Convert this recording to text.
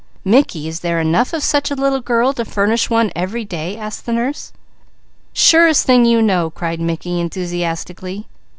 "Mickey, is there enough of such a little girl to furnish one every day?" asked the nurse. "Surest thing you know!" cried Mickey enthusiastically.